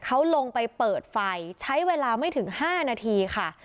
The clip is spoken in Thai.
เขาลงไปเปิดไฟใช้เวลาไม่ถึง๕นาทีค่ะ